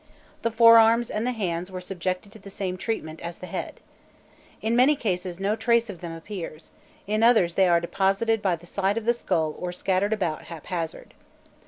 The forearms and the hands were subjected to the same treatment as the head. In many cases no trace of them appears, in others they are deposited by the side of the skull or scattered about haphazard.